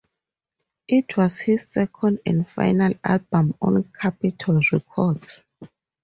It was his second and final album on Capitol Records.